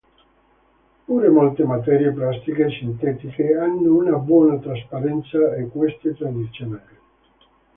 Pure molte materie plastiche sintetiche hanno una buona trasparenza a queste radiazioni.